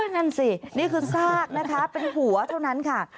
นั่นสินี่คือซากนะคะเป็นหัวเท่านั้นค่ะ